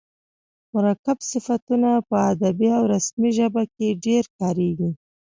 مرکب صفتونه په ادبي او رسمي ژبه کښي ډېر کاریږي.